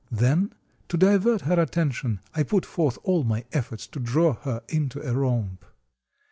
Then, to divert her attention, I put forth all my efforts to draw her into a romp.